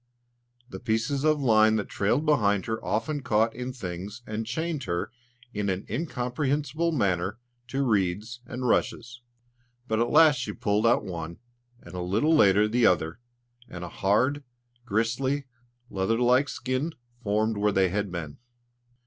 The pieces of line that trailed behind her often caught in things and chained her in an incomprehensible manner to reeds and rushes; but at last she pulled out one, and a little later the other, and a hard, gristly, leather like skin formed where they had been.